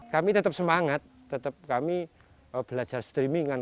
kami tetap semangat tetap kami belajar streamingan